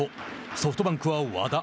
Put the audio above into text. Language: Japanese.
ソフトバンクは和田。